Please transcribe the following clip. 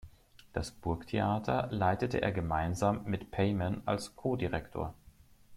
Das Burgtheater leitete er gemeinsam mit Peymann als Co-Direktor.